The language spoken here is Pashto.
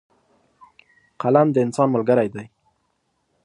قلم د انسان ملګری دی.